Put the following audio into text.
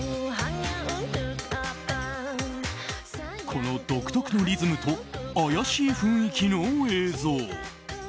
この独特のリズムと妖しい雰囲気の映像。